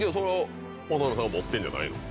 渡邊選手が持ってるんじゃないの？